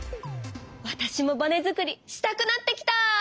わたしもバネ作りをしたくなってきた！